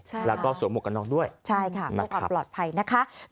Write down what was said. ใช่ค่ะแล้วก็ส่วนหมวกกันนอกด้วยใช่ค่ะนะครับปลอดภัยนะคะ